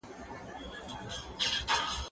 زه به د تکړښت لپاره تللي وي؟